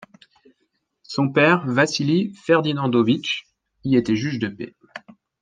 Son père, Vassili Ferdinandovitch, y était juge de paix.